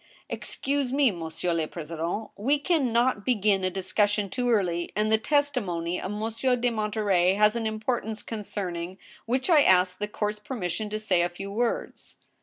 " Excuse me, monsieur le president, we can not begin a discus sion too early, and the testimony of Monsieur de Monterey has an importance concerning which I ask the court's permission to say a few words."